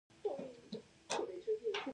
دوي د خپل پيدائش نه وروستو ډېر کم وخت